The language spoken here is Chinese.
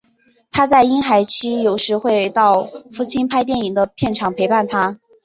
她在婴孩期有时会到父亲拍电影的片场陪伴他。